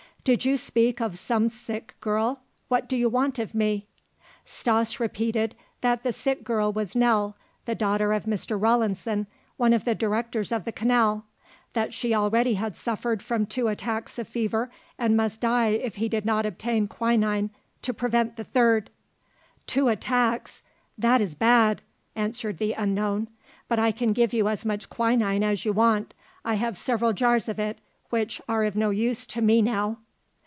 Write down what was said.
Did you speak of some sick girl? What do you want of me?" Stas repeated that the sick girl was Nell, the daughter of Mr. Rawlinson, one of the directors of the Canal; that she already had suffered from two attacks of fever and must die if he did not obtain quinine to prevent the third. "Two attacks that is bad!" answered the unknown. "But I can give you as much quinine as you want. I have several jars of it which are of no use to me now."